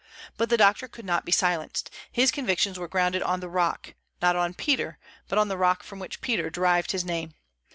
But the doctor could not be silenced. His convictions were grounded on the rock; not on Peter, but on the rock from which Peter derived his name.